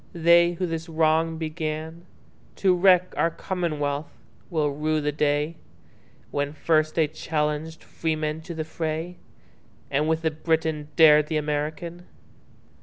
They who this wrong beganTo wreck our commonwealth, will rue the dayWhen first they challenged freemen to the fray, And with the Briton dared the American.